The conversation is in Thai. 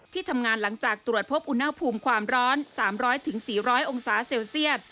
ที่ทำงานหลังจากตรวจพบอุณหภูมิความร้อน๓๐๐๔๐๐องศาเซลเซียต